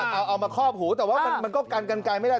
เอามาคอบหูแต่ว่ามันก็กันกันไกลไม่ได้